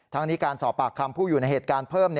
ทั้งนี้การสอบปากคำผู้อยู่ในเหตุการณ์เพิ่ม